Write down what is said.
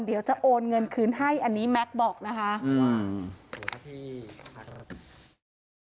เดี๋ยวจะโอนเงินคืนให้อันนี้แม็กซ์บอกนะคะอืม